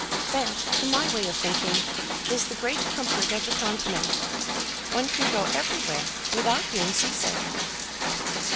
That, to my way of thinking, is the great comfort of the Continent. One can go everywhere without being seasick."